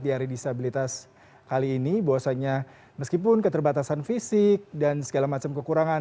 di hari disabilitas kali ini bahwasanya meskipun keterbatasan fisik dan segala macam kekurangan